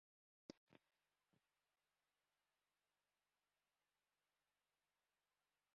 Gehienetan, iturria eta biktima gailu elektronikoak izan ohi dira.